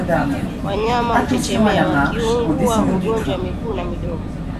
Wanyama huchechemea wakiugua ugonjwa wa miguu na midomo